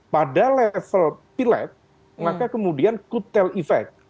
pada level pilet maka kemudian could tell effect